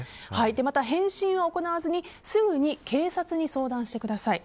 また、返信を行わずにすぐに警察に相談してください。